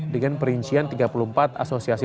dengan perincian tiga puluh empat asosiasi